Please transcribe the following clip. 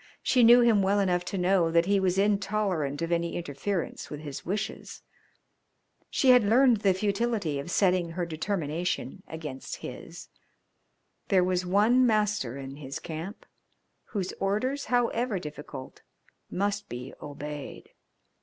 She knew him well enough to know that he was intolerant of any interference with his wishes. She had learned the futility of setting her determination against his. There was one master in his camp, whose orders, however difficult, must be obeyed.